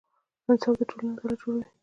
انصاف د ټولنې عدالت جوړوي.